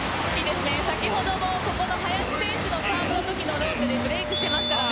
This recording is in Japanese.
先ほどのここの林選手のサーブのときのローテでブレークしてますからね。